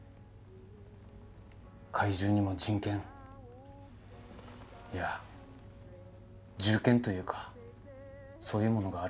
怪獣にも人権いや獣権というかそういうものがある。